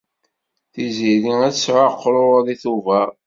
Tiziri ad tesɛu aqruṛ deg Tubeṛ.